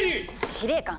司令官。